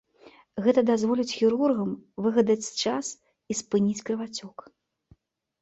Гэта дазволіць хірургам выгадаць час і спыніць крывацёк.